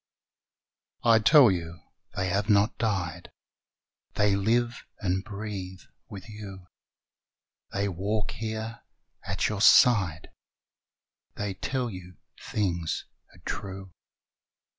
I tell you they have not died, They live and hreathe with you; They walk here at your side, They tell you things are true.